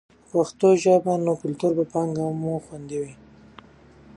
که پښتو ژبه وي نو کلتوري پانګه مو خوندي وي.